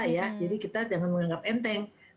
tapi kalau kita bicara tentang flu biasa ya